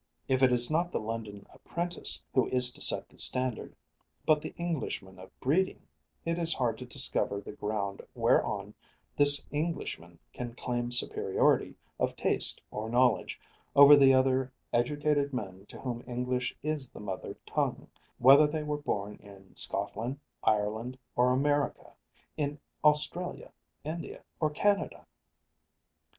If it is not the London apprentice who is to set the standard, but the Englishman of breeding, it is hard to discover the ground whereon this Englishman can claim superiority of taste or knowledge over the other educated men to whom English is the mother tongue, whether they were born in Scotland, Ireland, or America, in Australia, India, or Canada.